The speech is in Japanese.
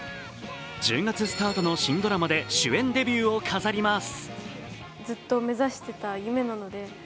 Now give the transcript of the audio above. １０月スタートの新ドラマで主演デビューを飾ります。